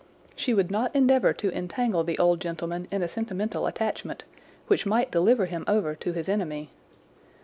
She would not endeavour to entangle the old gentleman in a sentimental attachment which might deliver him over to his enemy.